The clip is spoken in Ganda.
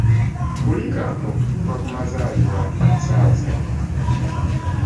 Kulika okutuuka kumazaliibwa Ssaabasajja.